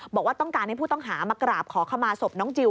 บอกว่าต้องการให้ผู้ต้องหามากราบขอขมาศพน้องจิล